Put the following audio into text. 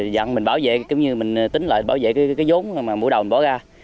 giờ mình bảo vệ tính lợi bảo vệ cái vốn mà mỗi đầu mình bỏ ra